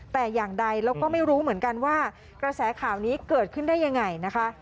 แต่อย่างใดเราก็ไม่รู้เหมือนกันว่ากระแสข่าวนี้เกิดขึ้นได้ยังไงนะคะ